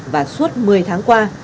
và suốt một mươi tháng qua